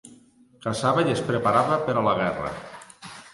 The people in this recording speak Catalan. Caçava i es preparava per a la guerra.